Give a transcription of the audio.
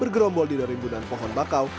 bergerombol di dalam imbunan pohon bakau